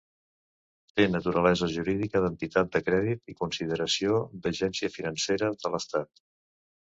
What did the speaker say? Té naturalesa jurídica d'entitat de crèdit i consideració d'Agència Financera de l'Estat.